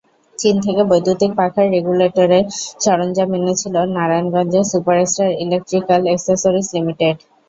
চীন থেকে বৈদ্যুতিক পাখার রেগুলেটরের সরঞ্জাম এনেছিল নারায়ণগঞ্জের সুপারস্টার ইলেকট্রিক্যাল এক্সেসরিজ লিমিটেড।